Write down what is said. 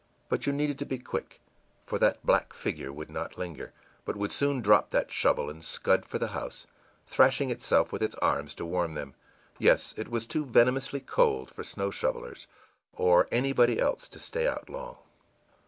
But you needed to be quick, for that black figure would not linger, but would soon drop that shovel and scud for the house, thrashing itself with its arms to warm them. Yes, it was too venomously cold for snow shovelers or anybody else to stay out long.